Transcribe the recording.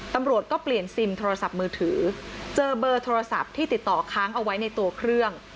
ตำรวจก็เปลี่ยนซิมโทรศัพท์มือถือเจอเบอร์โทรศัพท์ที่ติดต่อค้างเอาไว้ในตัวเครื่อง